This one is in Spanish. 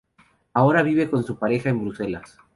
Ahora vive con su pareja en Bruselas.